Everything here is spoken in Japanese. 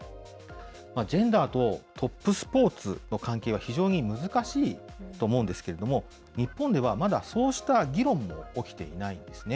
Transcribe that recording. ジェンダーとトップスポーツの関係は非常に難しいと思うんですけれども、日本ではまだそうした議論も起きていないんですね。